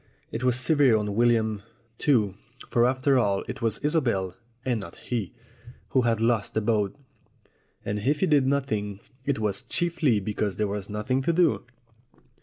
It was severe on William, too, for after all it was Isobel, and not he, who had lost the boat; and if he did nothing, it was chiefly because 264 STORIES WITHOUT TEARS there was nothing to do.